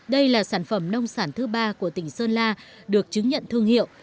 đây là sản phẩm nông sản thứ ba của tỉnh sơn la được chứng nhận thương hiệu